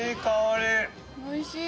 おいしい。